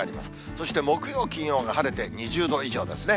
そして、木曜、金曜が晴れて２０度以上ですね。